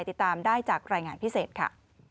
ติดตามได้จากรายงานพิเศษค่ะ